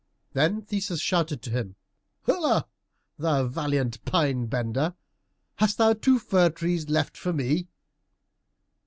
Then Theseus shouted to him, "Holla, thou valiant Pine bender, hast thou two fir trees left for me?"